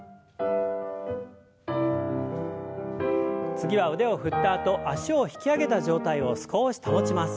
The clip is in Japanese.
次は腕を振ったあと脚を引き上げた状態を少し保ちます。